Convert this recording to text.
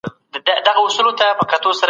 افغانستان به ګل ګلزار وي.